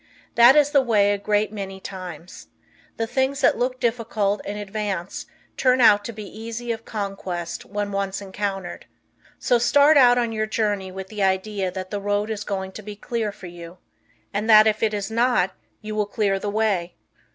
That is the way a great many times. The things that look difficult in advance turn out to be easy of conquest when once encountered. So start out on your journey with the idea that the road is going to be clear for you, and that if it is not you will clear the way.